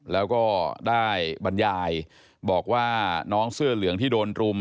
แล้วก็ได้บรรยายบอกว่าน้องเสื้อเหลืองที่โดนรุม